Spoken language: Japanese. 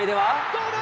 どうだ！